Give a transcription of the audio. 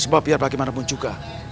sebab biar bagaimanapun juga